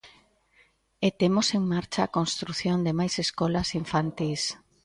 E temos en marcha a construción de máis escolas infantís.